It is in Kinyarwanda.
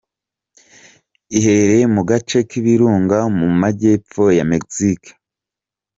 Iherereye mu gace k’ ibirunga mu magepfo ya Mexique.